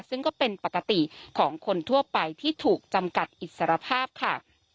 ซึ่งก็เป็นปกติของคนทั่วไปที่ถูกจำกัดอิสรภาพค่ะ